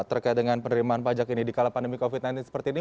terkait dengan penerimaan pajak ini di kala pandemi covid sembilan belas seperti ini